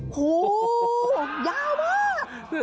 โหยาวมาก